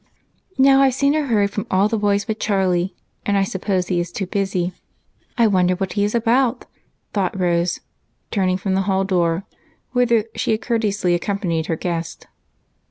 "Now I've seen or heard from all the boys but Charlie, and I suppose he is too busy. I wonder what he is about," thought Rose, turning from the hall door, whither she had courteously accompanied her guest.